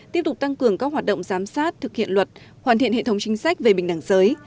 tiếp tục tăng cường các hoạt động giám sát thực hiện luật hoàn thiện hệ thống chính sách về bình đẳng giới